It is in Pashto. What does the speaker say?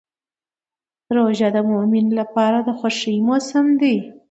روژه د مؤمن لپاره د خوښۍ موسم دی.